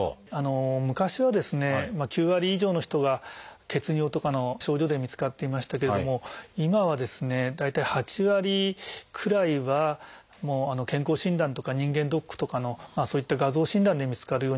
昔はですね９割以上の人が血尿とかの症状で見つかっていましたけれども今はですね大体８割くらいは健康診断とか人間ドックとかのそういった画像診断で見つかるようになっています。